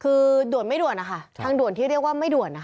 คือด่วนไม่ด่วนนะคะทางด่วนที่เรียกว่าไม่ด่วนนะคะ